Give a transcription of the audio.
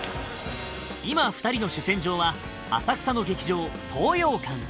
今２人の主戦場は浅草の劇場東洋館